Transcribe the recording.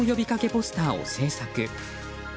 ポスターを制作。